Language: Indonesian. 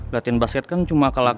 latihan basket kan cuma akal akalan gue